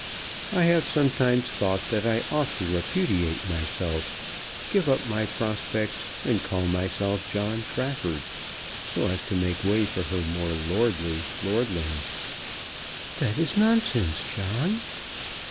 I have sometimes thought that I ought to repudiate myself; give up my prospects, and call myself John Trafford so as to make way for her more lordly lordlings." "That is nonsense, John."